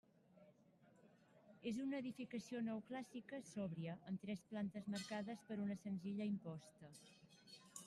És una edificació neoclàssica sòbria, amb tres plantes marcades per una senzilla imposta.